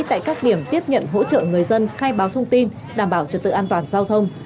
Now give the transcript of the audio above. tại các điểm tiếp nhận hỗ trợ người dân khai báo thông tin đảm bảo trật tự an toàn giao thông